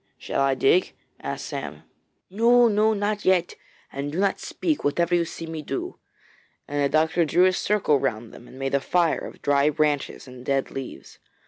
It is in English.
'Shall I dig?' asked Sam. 'No! no! not yet. And do not speak, whatever you see me do,' and the doctor drew a circle round them and made a fire of dry branches and dead leaves.